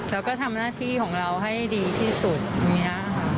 แล้วก็ทำหน้าที่ของเราให้ดีที่สุดอย่างนี้ค่ะ